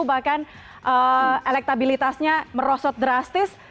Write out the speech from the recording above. bahkan elektabilitasnya merosot drastis